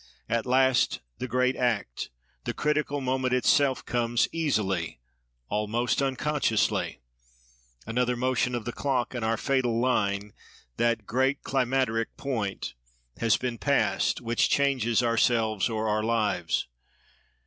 At last, the great act, the critical moment itself comes, easily, almost unconsciously. Another motion of the clock, and our fatal line—the "great climacteric point"—has been passed, which changes ourselves or our lives.